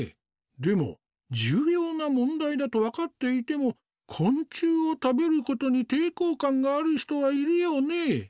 でも重要な問題だと分かっていても昆虫を食べることに抵抗感がある人はいるよね？